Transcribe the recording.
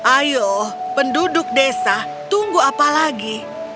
ayo penduduk desa tunggu apalagi